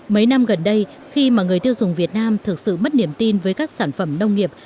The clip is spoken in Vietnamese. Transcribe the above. mấy năm gần đây khi mà người tiêu dùng việt nam thực sự mất niềm tin với các sản phẩm nông nghiệp